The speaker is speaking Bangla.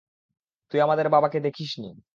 তুই আমাদের বাবাকে দেখিসনি।